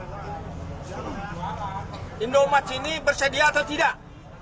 indomats ini bersedia atau tidak